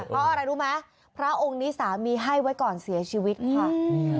เพราะอะไรรู้ไหมพระองค์นี้สามีให้ไว้ก่อนเสียชีวิตค่ะ